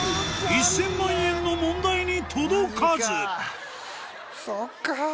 １０００万円の問題に届かずそっか。